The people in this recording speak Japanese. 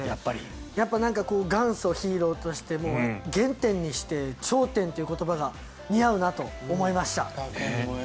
やっぱり元祖ヒーローとして原点にして頂点という言葉が似合うなと思いました。